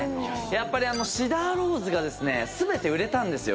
笋辰僂シダーローズがですね全て売れたんですよ